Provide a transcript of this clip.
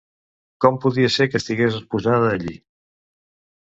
Com podia ser que estigués exposada allí?